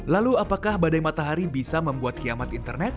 lalu apakah badai matahari bisa membuat kiamat internet